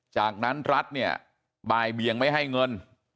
จากนั้นรัฐเนี่ยบ่ายเบียงไม่ให้เงิน